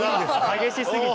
激しすぎて？